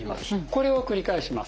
これを繰り返します。